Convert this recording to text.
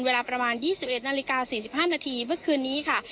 เวลาประมาณ๒๑นาฬิกา๔๕นาทีเมื่อคืนนี้ค่ะ